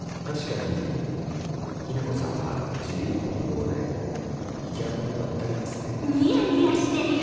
確かに雛子さんは自由奔放で行き当たりばったりですね。